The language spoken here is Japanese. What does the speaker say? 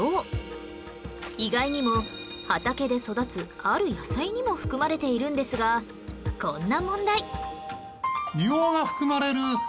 意外にも畑で育つある野菜にも含まれているんですがこんな問題